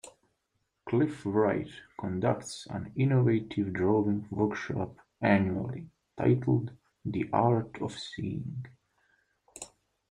Cliff Wright conducts an innovative drawing workshop annually, titled "The Art of Seeing".